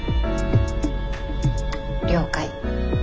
了解。